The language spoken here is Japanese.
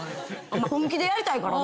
まぁ本気でやりたいからな。